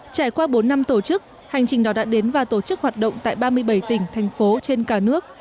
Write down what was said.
trải qua bốn năm tổ chức hành trình đỏ đã đến và tổ chức hoạt động tại ba mươi bảy tỉnh thành phố trên cả nước